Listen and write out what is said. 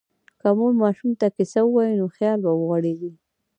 که مور ماشوم ته کیسه ووایي، نو خیال به وغوړېږي.